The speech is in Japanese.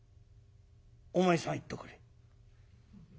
「お前さん行っとくれ」。